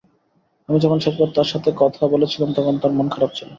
আমি যখন শেষবার তার সাথে কথা বলেছিলাম তখন তার মন খারাপ ছিল।